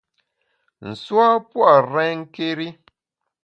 Nsu a pua’ renké́ri.